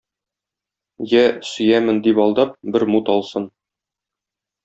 Я, сөямен, дип алдап, бер мут алсын